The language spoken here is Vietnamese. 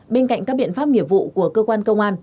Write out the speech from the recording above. bên cạnh các biện pháp nghiệp vụ của cơ quan công an